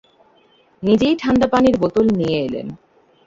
নিজেই ঠাণ্ডা পানির বোতল নিয়ে এলেন।